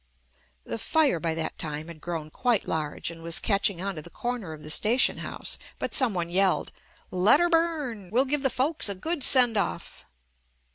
The fire by that time had grown quite large and was catching on to the corner of the station house, but some one yelled: "Let her burn! We'll give the folks a good send off."